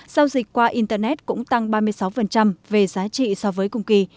giao dịch qua internet cũng tăng ba mươi sáu về giá trị so với cùng kỳ